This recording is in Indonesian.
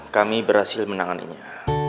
kami berhasil menangannya